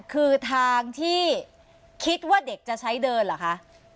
คือทางที่คิดว่าเด็กจะใช้เดินเหรอคะ